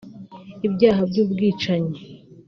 ibyaha by’ubwicanyi